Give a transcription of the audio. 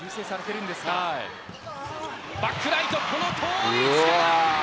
バックライト、この遠い位置から。